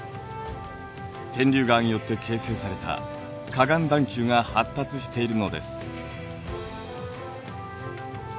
天竜川によって形成された河岸段丘が発達しているのです。